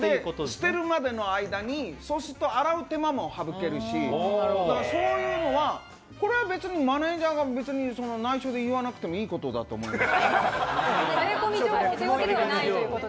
捨てるまでの間に、そうすると洗う手間も省けるし、そういうのは、これは別にマネージャーが内緒で言わなくてもいいことだと思います。